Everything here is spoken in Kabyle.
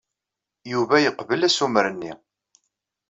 Yuba yeqbel assumer-nni.